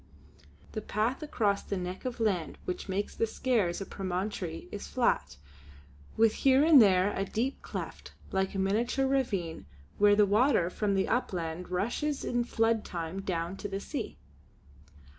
The path across the neck of land which makes the Skares a promontory is flat, with here and there a deep cleft like a miniature ravine where the water from the upland rushes in flood time down to the sea.